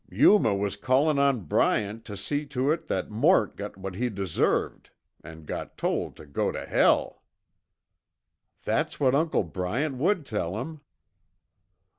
Yuma was callin' on Bryant tuh see to it that Mort got what he deserved, an' got told tuh go tuh hell." "That's what Uncle Bryant would tell him."